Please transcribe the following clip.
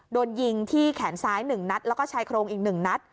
โดนยิงที่แขนซ้ายหนึ่งนัดแล้วก็ชายโครงอีกหนึ่งนัด